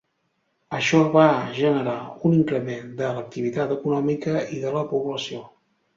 Això va generar un increment de l'activitat econòmica i de la població.